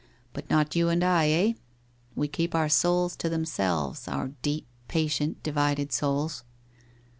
' But not you and I, eh ? We keep our souls to them selves, our deep, patient, divided souls.